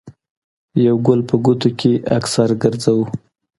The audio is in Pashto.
يو ګل په ګوتو کښې اکثر ګرځوو